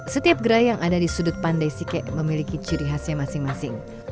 setiap gerai yang ada di sudut pandai sike memiliki ciri khasnya masing masing